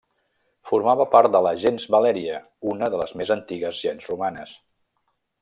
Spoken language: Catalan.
Formava part de la gens Valèria, una de les més antigues gens romanes.